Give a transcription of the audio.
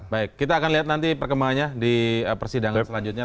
baik kita akan lihat nanti perkembangannya di persidangan selanjutnya